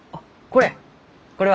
これ？